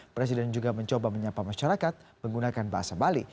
presiden juga mencoba menyapa masyarakat menggunakan bahasa bali